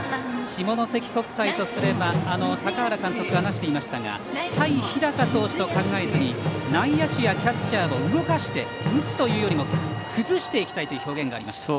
下関国際とすれば坂原監督が話していましたが対日高投手と考えずに内野手やキャッチャーを動かして打つというよりも崩していきたいという表現がありました。